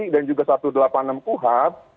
dan juga satu ratus delapan puluh enam puhat